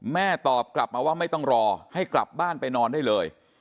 แม่ตอบกลับมาว่าไม่ต้องรอให้กลับบ้านไปนอนได้เลย